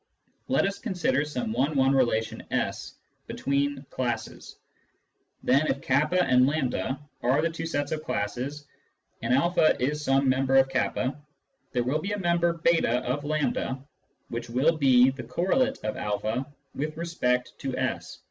Let us consider some one one relation S between the classes. Then if k and A are the two sets of classes, and a is some member of k, there will be a member /2 of A which will be the correlate of a with respect to S.